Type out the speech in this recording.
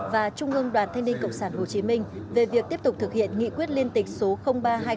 và trung ương đoàn thanh niên cộng sản hồ chí minh về việc tiếp tục thực hiện nghị quyết liên tịch số ba hai nghìn một mươi